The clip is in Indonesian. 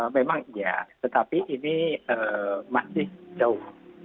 memang iya tetapi ini masih jauh